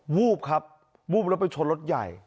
วูอร์ปครับวูอร์เปล่าไปชนรถใหญ่